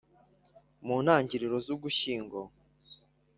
mu ntangiriro z'ugushyingo